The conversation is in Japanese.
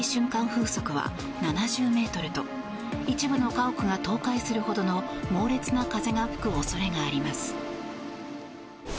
風速は７０メートルと一部の家屋が倒壊するほどの猛烈な風が吹く恐れがあります。